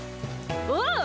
おう。